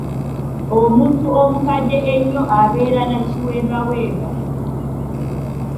Omuntu omukadde ennyo abeera na Kiwembawemba.